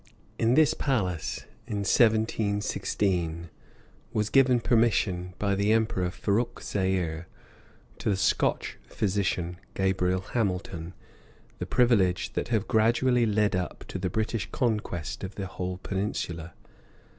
In this palace, in 1716, was given permission, by the Emperor Furrokh Seeur, to the Scotch physician, Gabriel Hamilton, the privileges that have gradually led up to the British conquest of the whole peninsula.